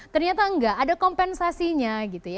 ternyata nggak ada kompensasinya gitu ya